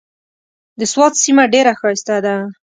د سوات سيمه ډېره ښايسته ده۔